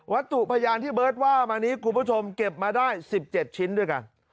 จุดพยานที่เบิร์ตว่ามานี้คุณผู้ชมเก็บมาได้๑๗ชิ้นด้วยกัน